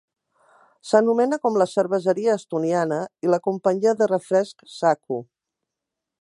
S'anomena com la cerveseria estoniana i la companyia de refrescs Saku.